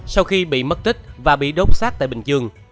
sau khi bị mất tích và bị đốt sát tại bình dương